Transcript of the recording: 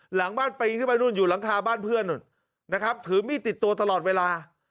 หลังบ้านปีนขึ้นไปนู่นอยู่หลังคาบ้านเพื่อนนู่นนะครับถือมีดติดตัวตลอดเวลา